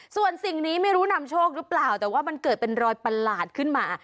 ส่วนสิ่งนี้ไม่รู้นำโชคหรือเปล่าแต่ว่ามันเกิดเป็นรอยประหลาดขึ้นมา